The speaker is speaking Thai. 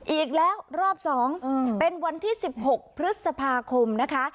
อีกแล้วรอบ๒เป็นวันที่๑๖พฤษภาคมนะคะ